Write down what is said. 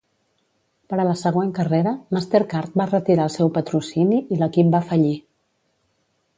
Per a la següent carrera, Mastercard va retirar el seu patrocini i l'equip va fallir.